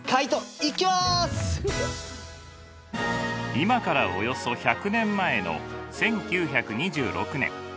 今からおよそ１００年前の１９２６年。